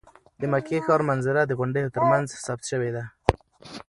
د مکې ښار منظره د غونډیو تر منځ ثبت شوې ده.